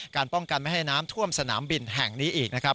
ป้องกันไม่ให้น้ำท่วมสนามบินแห่งนี้อีกนะครับ